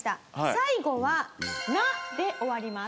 最後は「ナ」で終わります。